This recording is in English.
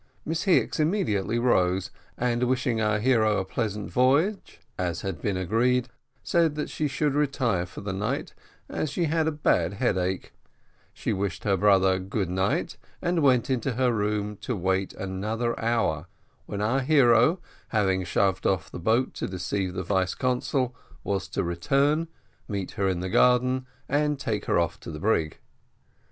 Miss Hicks immediately rose, and wishing our hero a pleasant voyage, as had been agreed, said that she should retire for the night, as she had a bad headache she wished her brother good night, and went into her room to wait another hour, when our hero, having shoved off the boat to deceive the vice consul, was to return, meet her in the garden, and take her off to the brig.